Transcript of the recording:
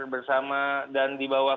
bersama dan dibawah